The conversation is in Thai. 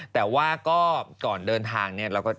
แต่ว่าก็ก่อนเดินทางเนี่ย